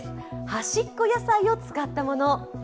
端っこ野菜を使ったもの。